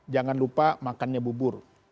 jangan lupa makannya bubur